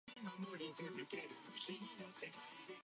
真っすぐ行って、次、横の動きを使いました。